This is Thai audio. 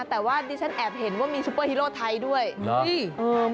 แต่ว่าดิฉันแอบเห็นว่ามีซุปเปอร์ฮีโร่ไทยด้วย